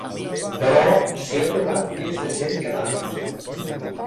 Però s’hi ha trobat més de cent cadàvers.